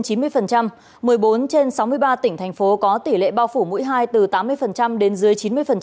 một mươi bốn trên sáu mươi ba tỉnh thành phố có tỷ lệ bao phủ mũi hai từ tám mươi đến dưới chín mươi